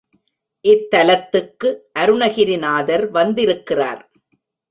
இத்தலத்துக்கு அருணகிரிநாதர் வந்திருக்கிறார்.